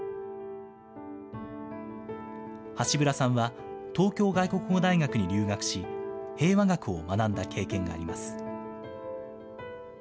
ハシブラさんは東京外国語大学に留学し、平和学を学んだ経験があります。